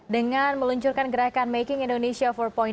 dengan meluncurkan gerakan making indonesia empat